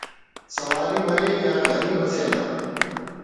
سواری مرے یا غریب اسے نا